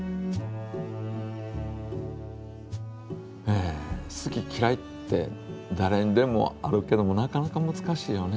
え好ききらいってだれにでもあるけどもなかなかむずかしいよね